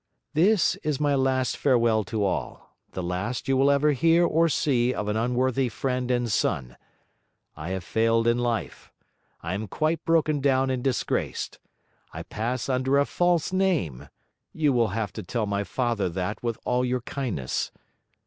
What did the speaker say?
This is my last farewell to all, the last you will ever hear or see of an unworthy friend and son. I have failed in life; I am quite broken down and disgraced. I pass under a false name; you will have to tell my father that with all your kindness.